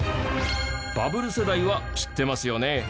バブル世代は知ってますよね。